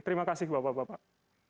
terima kasih bapak bapak